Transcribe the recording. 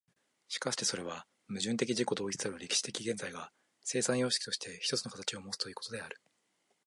しかしてそれは矛盾的自己同一たる歴史的現在が、生産様式として一つの形をもつということである。